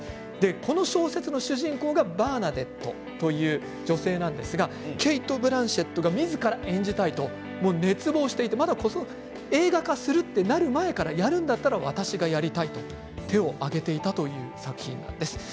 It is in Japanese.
この小説の主人公がバーナデットという女性なんですがケイト・ブランシェットがみずから演じたいと熱望していて映画化するとなる前からやるんだったら私がやりたいと手を挙げていたという作品なんです。